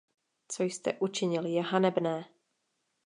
Co jste učinil, je hanebné!